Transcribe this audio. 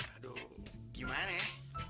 aduh gimana ya